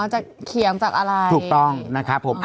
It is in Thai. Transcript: จะเขียงจากอะไรถูกต้องนะครับผม